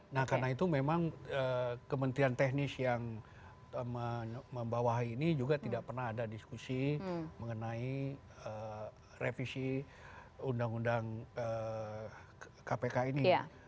nah karena itu memang kementerian teknis yang membawa ini juga tidak pernah ada diskusi mengenai revisi undang undang kpk ini